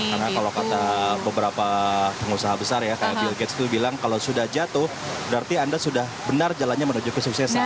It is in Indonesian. karena kalau kata beberapa pengusaha besar ya kayak bill gates itu bilang kalau sudah jatuh berarti anda sudah benar jalannya menuju kesuksesan